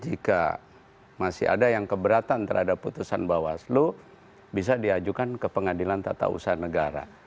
jika masih ada yang keberatan terhadap putusan bawaslu bisa diajukan ke pengadilan tata usaha negara